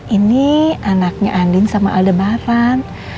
ini anaknya andin sama aldebaran